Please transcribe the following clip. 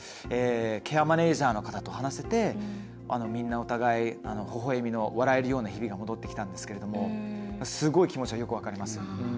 ケアマネージャーの方と話せてみんな、お互いほほえみの笑えるような日々が戻ってきたんですけどすごい気持ちはよく分かりますよ。